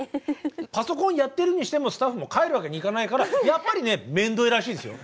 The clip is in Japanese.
パソコンやってるにしてもスタッフも帰るわけにいかないからやっぱりねめんどいらしいですよ。